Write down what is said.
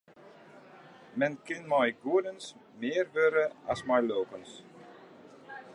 Men kin mei goedens mear wurde as mei lulkens.